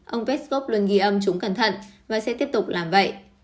ông peskov luôn ghi âm chúng cẩn thận và sẽ tiếp tục làm vậy